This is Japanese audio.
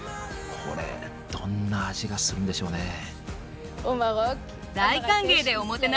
これどんな味がするんでしょうね。